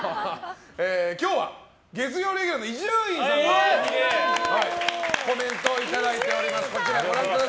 今日は月曜レギュラーの伊集院さんからコメントをいただいております。